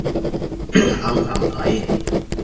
あんあんあ ｎ